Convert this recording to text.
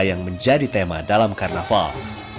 yang menjadi tema dalam karnaval